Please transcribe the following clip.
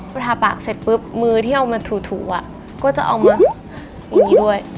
พอทาปากเสร็จปุ๊บมือที่เอามาถูอ่ะก็จะเอามาอย่างนี้ด้วย